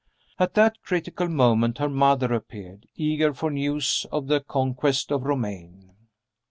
At that critical moment her mother appeared eager for news of the conquest of Romayne.